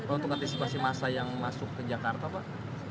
untuk mengantisipasi masa yang masuk ke jakarta pak